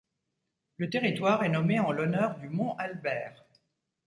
Le territoire est nommé en l'honneur du mont Albert.